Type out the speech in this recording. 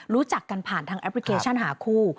รู้จักกันผ่านทางแอปพลิเคชันหาคู่